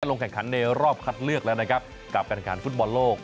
ลงแข่งขันในรอบคัดเลือกแล้วนะครับกับการขันฟุตบอลโลก